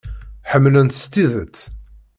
Ḥemmlen-t s tidet.